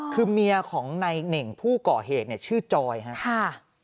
คือเมียของในเหน่งผู้ก่อเหตุเนี่ยชื่อจอยครับ